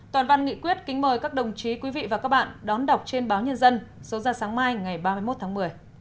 toàn văn nghị quyết kính mời các đồng chí quý vị và các bạn đón đọc trên báo nhân dân số ra sáng mai ngày ba mươi một tháng một mươi